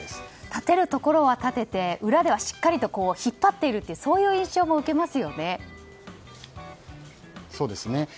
立てるところは立てて裏ではしっかり引っ張っている印象も受けますよね。